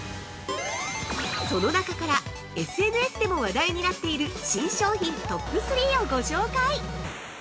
その中から、ＳＮＳでも話題になっている新商品トップ３をご紹介！